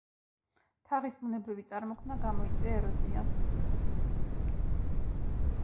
თაღის ბუნებრივი წარმოქმნა გამოიწვია ეროზიამ.